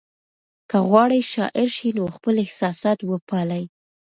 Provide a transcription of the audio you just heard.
که غواړئ شاعر شئ نو خپل احساسات وپالئ.